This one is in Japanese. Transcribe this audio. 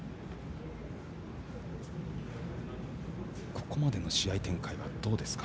ここまでの試合展開はどうですか。